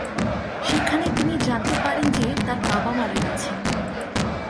সেখানে তিনি জানতে পারেন যে তাঁর বাবা মারা গেছেন।